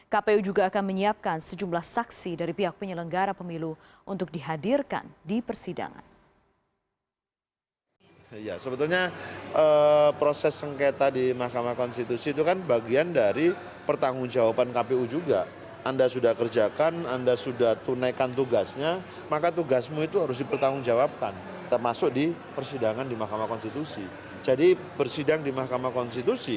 kpu juga akan menyiapkan sejumlah saksi dari pihak penyelenggara pemilu untuk dihadirkan di persidangan